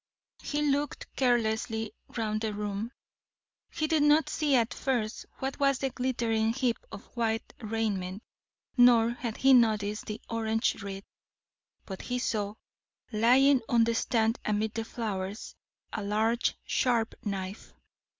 He looked carelessly round the room. He did not see at first what was the glittering heap of white raiment; nor had he noticed the orange wreath. But he saw, lying on the stand amid the flowers, a large, sharp knife.